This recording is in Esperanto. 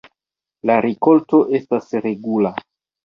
La rikolto estas regula.